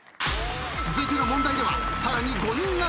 続いての問題ではさらに５人が脱落。